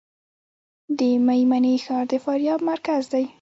د میمنې ښار د فاریاب مرکز دی